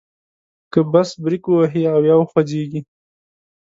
که بس بریک ووهي او یا وخوځیږي.